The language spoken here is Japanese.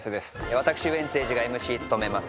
私ウエンツ瑛士がＭＣを務めます